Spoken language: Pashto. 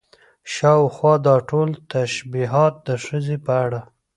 شاوخوا دا ټول تشبيهات د ښځې په اړه